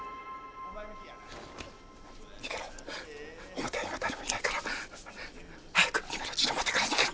表には誰もいないから早く今のうちに表から逃げろ！